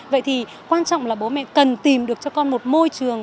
vậy thì quan trọng là bố mẹ cần tìm được cho con một môi trường